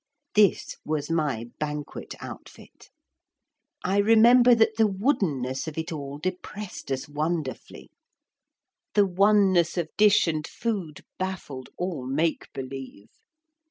This was my banquet outfit. I remember that the woodenness of it all depressed us wonderfully; the oneness of dish and food baffled all make believe.